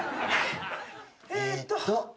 えーっと。